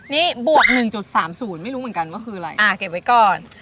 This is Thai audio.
นี่บวกหนึ่งจุดสามศูนย์ไม่รู้เหมือนกันว่าคืออะไรอ่าเก็บไว้ก่อน